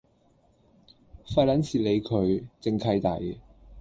廢撚事理佢，正契弟